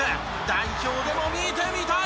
代表でも見てみたい！